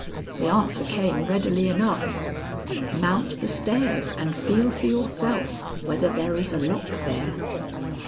The answer came readily enough: "Mount the stairs and feel for yourself whether there is a lock there."